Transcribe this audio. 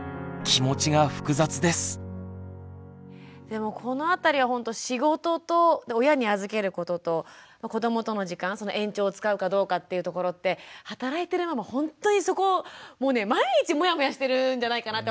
でもこのあたりはほんと仕事と親に預けることと子どもとの時間その延長を使うかどうかっていうところって働いてるママほんとにそこもうね毎日モヤモヤしてるんじゃないかなって。